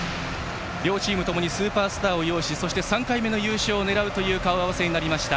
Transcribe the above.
両チームともにスーパースターを擁しそして３回目の優勝を狙う顔合わせです。